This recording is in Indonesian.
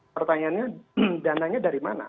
pertanyaannya dananya dari mana